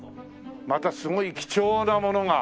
またすごい貴重なものが。